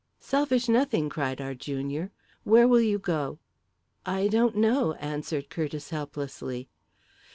"Selfish nothing!" cried our junior. "Where will you go?" "I don't know," answered Curtiss helplessly.